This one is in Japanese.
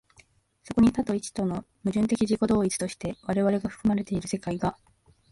そこに多と一との矛盾的自己同一として我々が含まれている世界が、